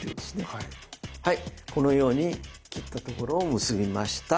はいこのように切ったところを結びました。